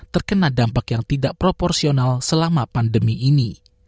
terkena dampak yang tidak proporsional selama pandemi ini